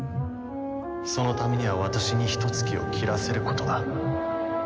そのためには私にヒトツ鬼を斬らせることだ。